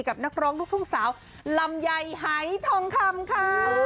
นักร้องลูกทุ่งสาวลำไยหายทองคำค่ะ